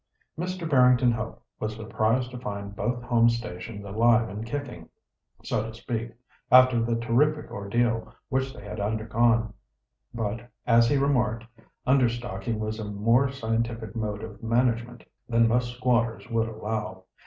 Mr. Barrington Hope was surprised to find both home stations alive and kicking—so to speak—after the terrific ordeal which they had undergone. But, as he remarked, understocking was a more scientific mode of management than most squatters would allow.